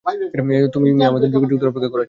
তুই মিয়া আমারে যুগ-যুগ ধরে অপেক্ষা করাচ্ছিস!